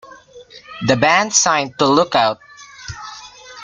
The band signed to Lookout!